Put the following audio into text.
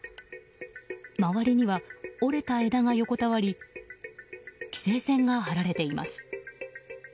周りには折れた枝が横たわり規制線が張られています。